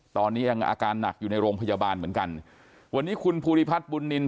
ตอนนี้ยังอาการหนักอยู่ในโรงพยาบาลเหมือนกันวันนี้คุณภูริพัฒน์บุญนิน